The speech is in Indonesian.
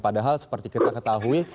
padahal seperti kita ketahui